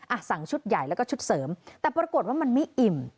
อ่ะสั่งชุดใหญ่แล้วก็ชุดเสริมแต่ปรากฏว่ามันไม่อิ่ม